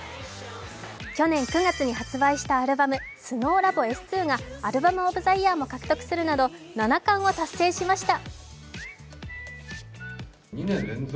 去年９月に発売したアルバム「ＳｎｏｗＬａｂｏ．Ｓ２」がアルバム・オブ・ザ・イヤーも獲得するなど７冠を達成しました。